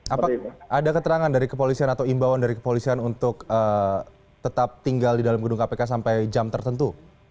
apa ada keterangan dari kepolisian atau imbauan dari kepolisian untuk tetap tinggal di dalam gedung kpk sampai jam tertentu